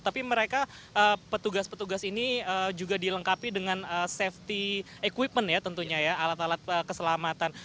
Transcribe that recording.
tapi mereka petugas petugas ini juga dilengkapi dengan safety equipment ya tentunya ya alat alat keselamatan